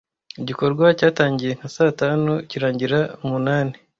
Igikorwa cyatangiye nka saa tanu kirangira umunani.